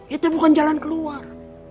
itu bukan jalan keluar